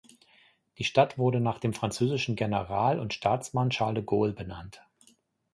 Die Stadt wurde nach dem französischen General und Staatsmann Charles de Gaulle benannt.